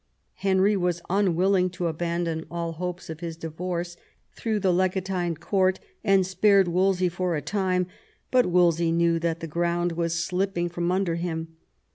Henry was unwilling to abandon all hopes of hi» divorce through the legatine court, and spared Wolsey for a time ; but Wolsey knew that the ground was slipping from under him.